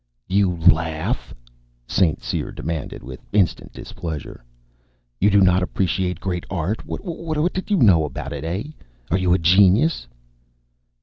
"You laugh?" St. Cyr demanded with instant displeasure. "You do not appreciate great art? What do you know about it, eh? Are you a genius?"